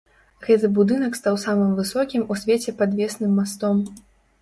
Гэты будынак стаў самым высокім у свеце падвесным мастом.